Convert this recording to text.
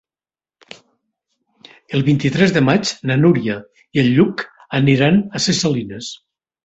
El vint-i-tres de maig na Núria i en Lluc aniran a Ses Salines.